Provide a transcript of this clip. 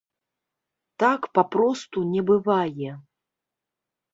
Так папросту не бывае!